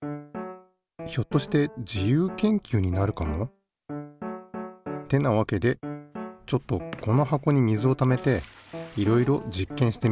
ひょっとして自由研究になるかも？ってなわけでちょっとこの箱に水をためていろいろ実験してみよう。